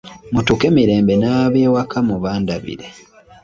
Mutuuke mirembe n’abewaka mubandabire.